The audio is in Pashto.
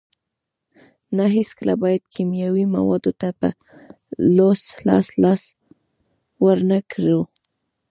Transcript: نه هیڅکله باید کیمیاوي موادو ته په لوڅ لاس لاس ورنکړو.